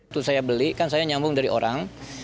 terus saya beli kan saya nyambung dari orang